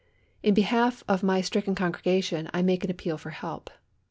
In behalf of my stricken congregation I make appeal for help.